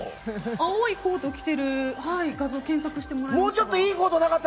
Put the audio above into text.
青いコートを着てる画像検索してもらいました。